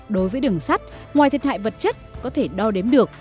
đối với đường sắt ngoài thiệt hại vật chất có thể đo đếm được